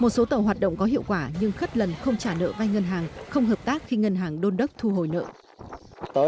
một số tàu hoạt động có hiệu quả nhưng khất lần không trả nợ vai ngân hàng không hợp tác khi ngân hàng đôn đốc thu hồi nợ